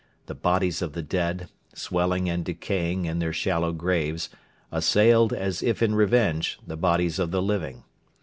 The bodies of the dead, swelling and decaying in their shallow graves, assailed, as if in revenge, the bodies of the living.